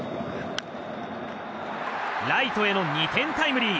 ライトへの２点タイムリー。